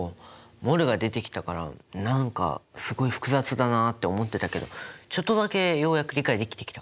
ｍｏｌが出てきたから何かすごい複雑だなって思ってたけどちょっとだけようやく理解できてきた。